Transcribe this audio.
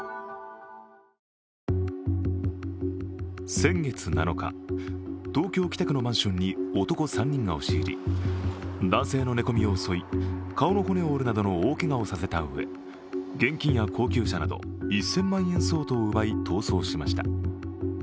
先月７日、東京・北区のマンションに男２人が押し入り男性の寝込みを襲い顔の骨を折るなどの大けがをさせたうえ現金や高級車など１０００万円相当を奪い、逃走しました。